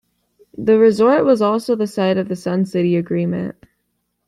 The resort was also the site of the Sun City Agreement.